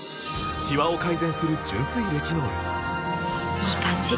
いい感じ！